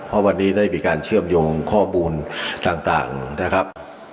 เพราะวันนี้ได้มีการเชื่อมโยงข้อมูลต่างนะครับ